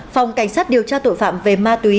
phòng cảnh sát điều tra tội phạm về ma túy